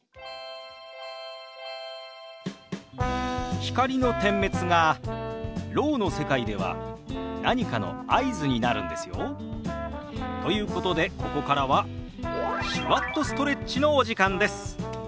光の点滅がろうの世界では何かの合図になるんですよ。ということでここからは「手話っとストレッチ」のお時間です。